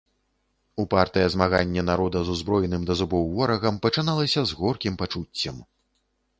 Упартае змаганне народа з узброеным да зубоў ворагам пачыналася з горкім пачуццем.